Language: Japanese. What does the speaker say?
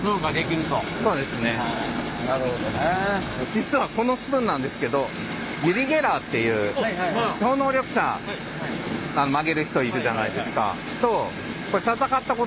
実はこのスプーンなんですけどユリ・ゲラーっていう超能力者曲げる人いるじゃないですか。